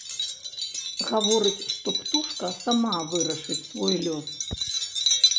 Гаворыць, што птушка сама вырашыць свой лёс.